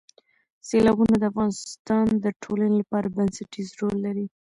سیلابونه د افغانستان د ټولنې لپاره بنسټيز رول لري.